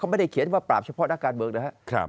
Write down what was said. ไม่ได้เขียนว่าปราบเฉพาะนักการเมืองนะครับ